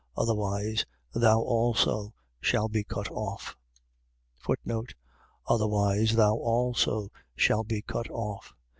Otherwise thou also shalt be cut off. Otherwise thou also shalt be cut off.